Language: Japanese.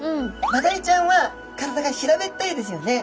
マダイちゃんは体が平べったいですよね。